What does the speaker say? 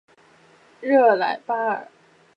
热莱巴尔。